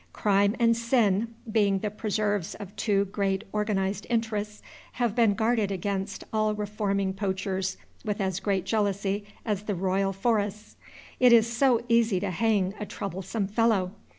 Crime and sin, being the preserves of two great organized interests, have been guarded against all reforming poachers with as great jealousy as the Royal Forests. It is so easy to hang a troublesome fellow!